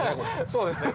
そうですね。